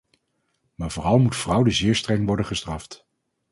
Maar vooral moet fraude zeer streng worden gestraft.